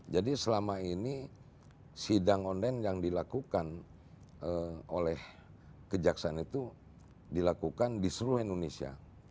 jadi selama ini sidang online yang dilakukan oleh kejaksaan itu dilakukan di seluruh indonesia